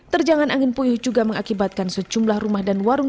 terjangan angin puyuh juga mengakibatkan sejumlah rumah dan warung